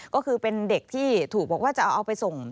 ก็คือเป็นเด็กที่ถูกบอกว่าจะเอาไปส่ง